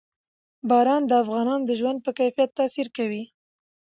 باران د افغانانو د ژوند په کیفیت تاثیر کوي.